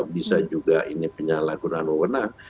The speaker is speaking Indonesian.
bisa juga ini penyalahgunaan wewenang